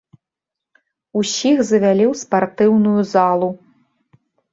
Усіх завялі ў спартыўную залу.